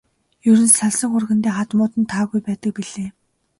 Ер нь салсан хүргэндээ хадмууд нь таагүй байдаг билээ.